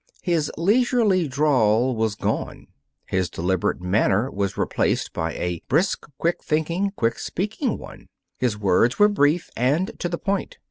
His leisurely drawl was gone. His deliberate manner was replaced by a brisk, quick thinking, quick speaking one. His words were brief and to the point.